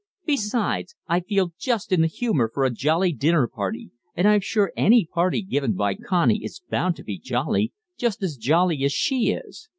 Besides, I feel just in the humour for a jolly dinner party, and I'm sure any party given by Connie is bound to be jolly, just as jolly as she is.